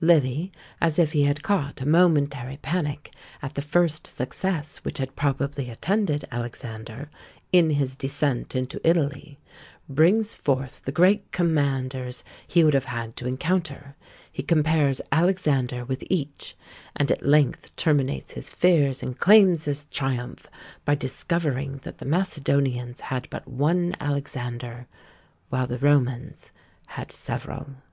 Livy, as if he had caught a momentary panic at the first success which had probably attended Alexander in his descent into Italy, brings forward the great commanders he would have had to encounter; he compares Alexander with each, and at length terminates his fears, and claims his triumph, by discovering that the Macedonians had but one Alexander, while the Romans had several.